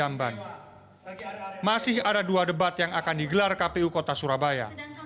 masih ada dua debat yang akan digelar kpu kota surabaya